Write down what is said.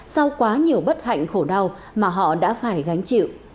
sau quá nhiều bất hạnh khổ đau mà họ đã phải gánh chịu